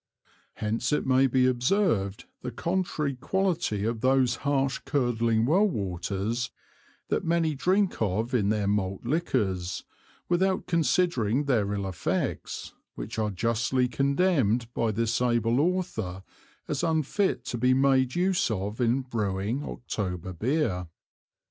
Hence then may be observed the contrary Quality of those harsh curdling Well waters that many drink of in their Malt Liquors, without considering their ill Effects, which are justly condemn'd by this able Author as unfit to be made use of in Brewing October Beer.